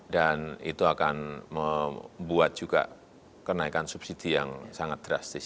dan itu akan membuat juga kenaikan subsidi yang sangat drastis